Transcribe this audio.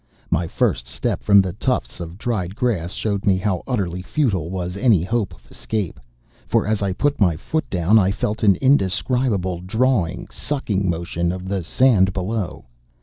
My first step from the tufts of dried grass showed me how utterly futile was any hope of escape; for, as I put my foot down, I felt an indescribable drawing, sucking motion of the sand below.